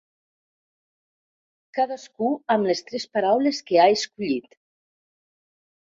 Cadascú amb les tres paraules que ha escollit.